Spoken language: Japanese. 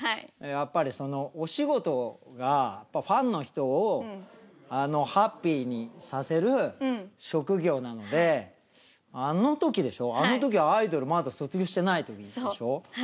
やっぱりそのお仕事が、ファンの人をハッピーにさせる職業なので、あのときでしょ、あのときはアイドルまだ卒業してないときでしょ。